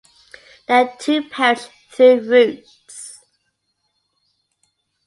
There are two parish through routes.